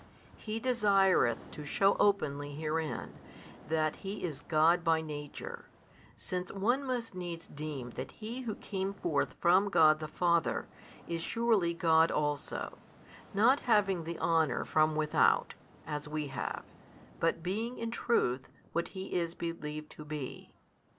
He desireth to shew openly herein, that He is God by Nature, since one must needs deem that He Who came forth from God the Father, is surely God also, not having the honour from without, as we have, but being in truth what He is believed to be.